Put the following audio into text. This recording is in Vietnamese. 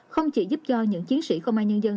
không chỉ giúp cho những chiến sĩ công an nhân dân